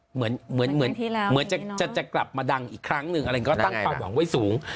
เหมือนจะกลับมาดังอีกครั้งหนึ่งอะไรอย่างนี้ก็ตั้งความหวังไว้สูง